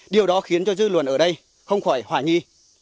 điều đó khiến cho dư luận ở đây không khỏi hoài nghi